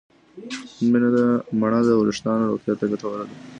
مڼه د وریښتانو روغتیا ته ګټوره ده.